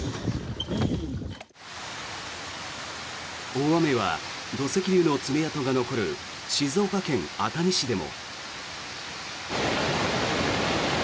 大雨は土石流の爪痕が残る静岡県熱海市でも。